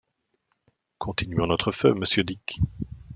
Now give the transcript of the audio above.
Continuons notre feu, monsieur Dick.